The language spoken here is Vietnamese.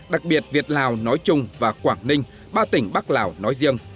đặc biệt việt lào nói chung và quảng ninh ba tỉnh bắc lào nói riêng